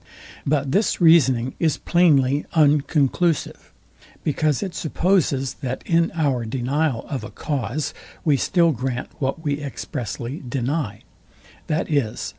But this reasoning is plainly unconclusive; because it supposes, that in our denial of a cause we still grant what we expressly deny, viz.